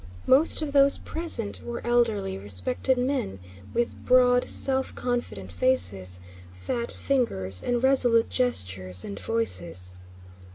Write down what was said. Most of those present were elderly, respected men with broad, self confident faces, fat fingers, and resolute gestures and voices.